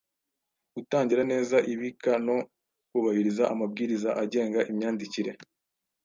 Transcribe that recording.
Gutangira neza ibika no kubahiriza amabwiriza agenga imyandikire